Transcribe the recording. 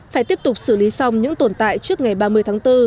phải tiếp tục xử lý xong những tồn tại trước ngày ba mươi tháng bốn